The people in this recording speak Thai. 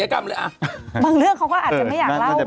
แล้วทำไมคุยกับฉันทุกวันฉันยังไม่รู้ว่าไม่ทำศักยกรรมเลย